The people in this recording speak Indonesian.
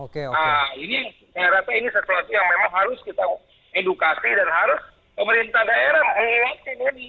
nah ini saya rasa ini sesuatu yang memang harus kita edukasi dan harus pemerintah daerah menguatkan ini